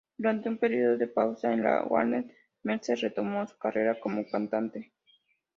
Durante un período de pausa en la Warner, Mercer retomó su carrera como cantante.